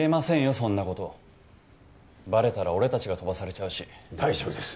そんなことバレたら俺達が飛ばされちゃうし大丈夫です